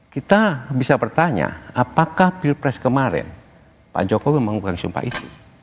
kita bisa bertanya apakah pilpres kemarin pak jokowi memang bukan sumpah isu